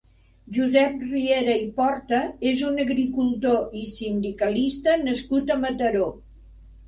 Josep Riera i Porta és un agricultor i sindicalista nascut a Mataró.